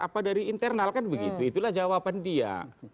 apa dari internal kan begitu itulah jawaban dia